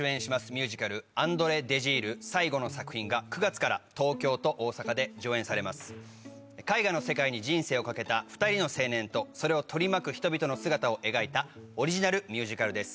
ミュージカル「アンドレ・デジール最後の作品」が９月から東京と大阪で上演されます絵画の世界に人生をかけた２人の青年とそれを取り巻く人々の姿を描いたオリジナルミュージカルです